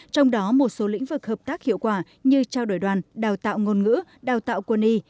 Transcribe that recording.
trong đó một số lĩnh vực hợp tác hiệu quả như trao đổi đoàn đào tạo ngôn ngữ đào tạo quân y